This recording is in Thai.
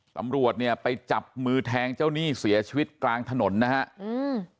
ตำรวจเนี่ยไปจับมือแทงเจ้าหนี้เสียชีวิตกลางถนนนะฮะอืม